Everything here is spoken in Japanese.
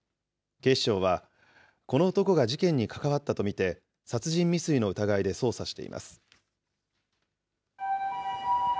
警視庁はこの男が事件に関わったと見て、殺人未遂の疑いで捜査しています。